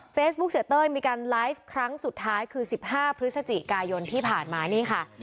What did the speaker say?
เสียเต้ยมีการไลฟ์ครั้งสุดท้ายคือ๑๕พฤศจิกายนที่ผ่านมานี่ค่ะ